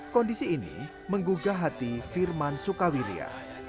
kondisi ini menggugah hati firman sukawiria